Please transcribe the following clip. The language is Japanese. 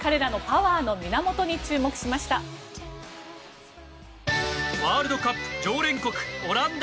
ワールドカップ常連国オランダ。